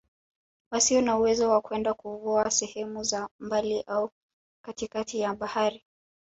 Wasio na uwezo wa kwenda kuvua sehemu za mbali au katikati ya bahari